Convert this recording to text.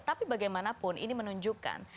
tapi bagaimanapun ini menunjukkan